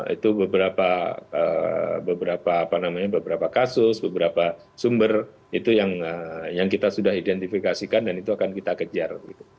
itu beberapa kasus beberapa sumber itu yang kita sudah identifikasikan dan itu akan kita kejar